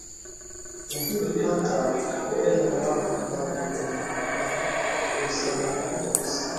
Na hivyo hata neno Waha bado lilionekana kuhusiana na Watusi